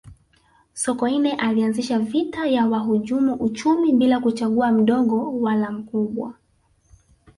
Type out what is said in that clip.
sokoine alianzisha vita ya wahujumu uchumi bila kuchagua mdogo wala mkubwa